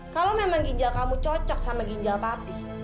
kalau memang ginjal kamu cocok sama ginjal pati